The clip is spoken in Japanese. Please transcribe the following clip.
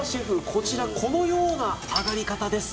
こちらこのような揚がり方です